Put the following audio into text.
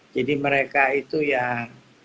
jadi mereka itu yang